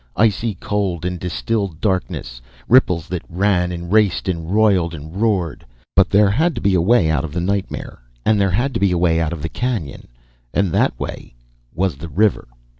Icy cold and distilled darkness; ripples that ran, then raced and roiled and roared. But there had to be a way out of the nightmare and there had to be a way out of the canyon, and that way was the river.